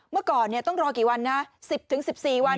เมื่อก่อนต้องรอกี่วันนะ๑๐๑๔วัน